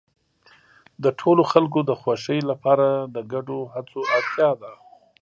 د ټولو خلکو د خوښۍ لپاره د ګډو هڅو اړتیا ده.